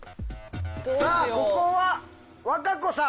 さあここは和歌子さん。